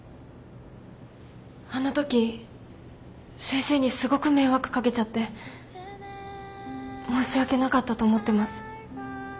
あのとき先生にすごく迷惑掛けちゃって申し訳なかったと思ってます。